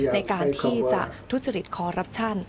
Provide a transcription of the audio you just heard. ในการที่จะทุจริตคอรัปชั่น